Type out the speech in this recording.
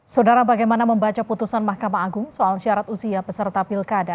saudara bagaimana membaca putusan mahkamah agung soal syarat usia peserta pilkada